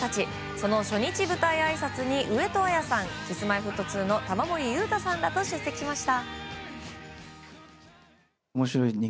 その初日舞台あいさつに上戸彩さんＫｉｓ‐Ｍｙ‐Ｆｔ２の玉森裕太さんらと出席しました。